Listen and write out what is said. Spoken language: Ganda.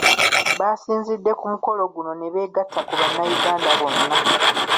Baasinzidde ku mukolo guno ne beegatta ku Bannayuganda bonna .